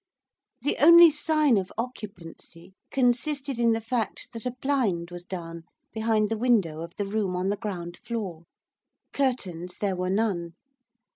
The only sign of occupancy consisted in the fact that a blind was down behind the window of the room on the ground floor. Curtains there were none.